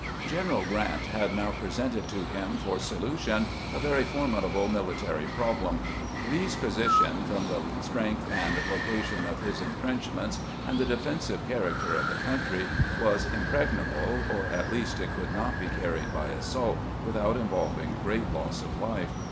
Q eneral Grant had now presented to him for solution a very formidable military problem. Lee's position, from the strength and location of his intrenchments and the defensive character of the country, was impregnable, or at least it could not be carried by assault without involving great loss of life.